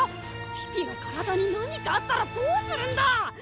ピピの体に何かあったらどうするんだ！